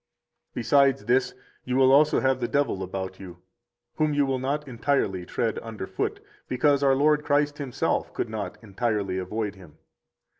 80 Besides this, you will also have the devil about you, whom you will not entirely tread under foot, because our Lord Christ Himself could not entirely avoid him.